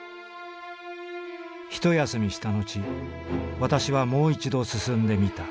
一休みしたのち私はもう一度進んでみた。